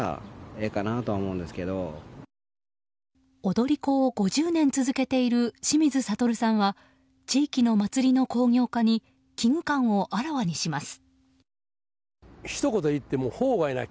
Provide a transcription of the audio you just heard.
踊り子を５０年続けている清水理さんは地域の祭りの興行化に危惧感をあらわにします。